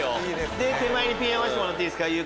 で手前にピン合わせてもらっていいですか？